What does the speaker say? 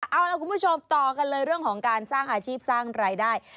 เอาล่ะคุณผู้ชมต่อกันเลยเรื่องของการสร้างอาชีพสร้างรายได้